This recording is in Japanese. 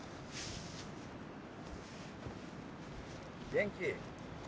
元気？